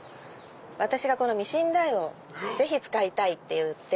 私がこのミシン台をぜひ使いたいって言って。